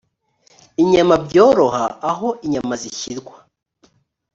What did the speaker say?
inyama byoroha aho inyama zishyirwa